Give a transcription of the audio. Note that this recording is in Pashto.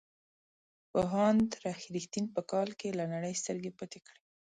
پوهاند رښتین په کال کې له نړۍ سترګې پټې کړې.